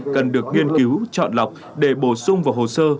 cần được nghiên cứu chọn lọc để bổ sung vào hồ sơ